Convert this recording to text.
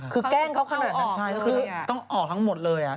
คือแกล้งเขาขนาดนั้นต้องออกทั้งหมดเลย